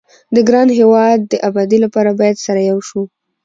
د ګران هيواد دي ابادي لپاره بايد سره يو شو